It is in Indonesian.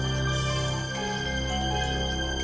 minta kepada nyibromo